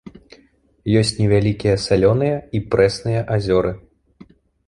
Ёсць невялікія салёныя і прэсныя азёры.